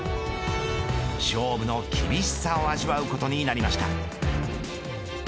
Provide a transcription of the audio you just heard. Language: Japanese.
勝負の厳しさを味わうことになりました。